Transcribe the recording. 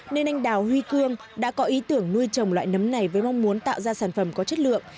nên anh đào huy cương đã có ý tưởng nuôi trồng loại nấm này với mong muốn tạo ra sản phẩm có chất lượng